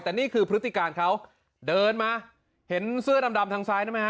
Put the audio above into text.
แต่นี่คือพฤติการเขาเดินมาเห็นเสื้อดำทางซ้ายนั่นไหมฮ